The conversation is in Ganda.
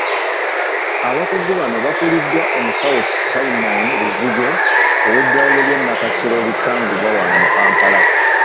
Abakugu bano bakuliddwa omusawo Simon Luzige ow'eddwaliro lya Nakasero erisangibwa wano mu Kampala.